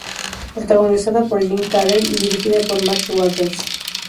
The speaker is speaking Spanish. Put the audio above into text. Protagonizada por Jim Carrey y dirigida por Mark Waters.